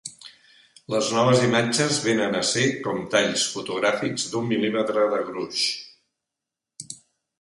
Les noves imatges vénen a ser com talls fotogràfics d'un mil·límetre de gruix.